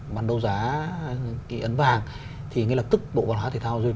bằng đô giá ấn vàng thì ngay lập tức bộ văn hóa thể tăng và du lịch